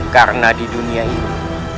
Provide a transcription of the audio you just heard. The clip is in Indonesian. karena di dunia ini